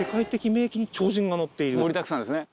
盛りだくさんですね。